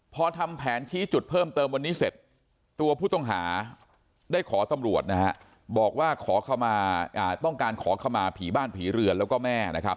พอทำแผนชี้จุดเพิ่มเติมวันนี้เสร็จตัวผู้ต้องหาได้ขอตำรวจนะฮะบอกว่าขอต้องการขอขมาผีบ้านผีเรือนแล้วก็แม่นะครับ